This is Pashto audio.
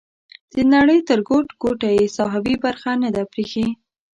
د نړۍ تر ګوټ ګوټه یې ساحوي برخه نه ده پریښې.